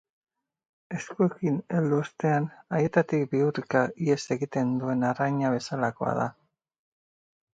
Eskuekin heldu ostean, haietatik bihurrika ihes egiten duen arraina bezalakoa da.